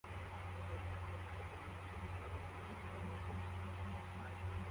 Abagabo babiri bambaye ubucuruzi barimo kuvugana nini